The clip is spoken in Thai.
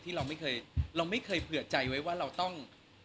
ที่ไม่เคยเผื่อใจไว้ว่าเราต้อง